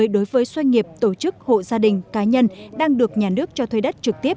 đối với doanh nghiệp tổ chức hộ gia đình cá nhân đang được nhà nước cho thuê đất trực tiếp